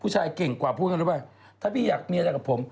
ผู้ชายเก่งกว่าพวกนั้นรู้ไหมถ้าพี่อยากเมียกับผม